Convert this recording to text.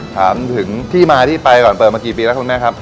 ถามถึงที่มาที่ไปก่อนเปิดมากี่ปีแล้วคุณแม่ครับ